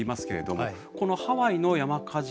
このハワイの山火事